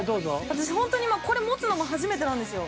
◆私、ほんとに、これ持つのも初めてなんですよ。